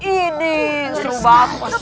ini seru banget pasti